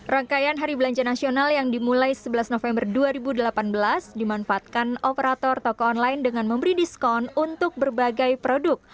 rangkaian hari belanja nasional yang dimulai sebelas november dua ribu delapan belas dimanfaatkan operator toko online dengan memberi diskon untuk berbagai produk